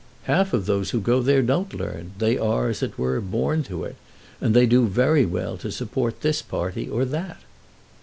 "Half of those who go there don't learn. They are, as it were, born to it, and they do very well to support this party or that."